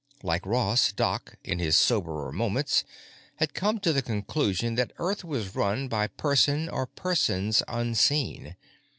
Like Ross, Doc, in his soberer moments, had come to the conclusion that Earth was run by person or persons unseen.